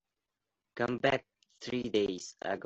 Came back three days ago.